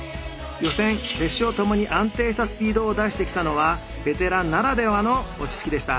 予選決勝ともに安定したスピードを出してきたのはベテランならではの落ち着きでした。